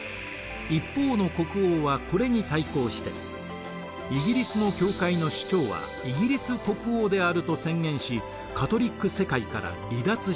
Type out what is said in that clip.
一方の国王はこれに対抗してイギリスの教会の首長はイギリス国王であると宣言しカトリック世界から離脱します。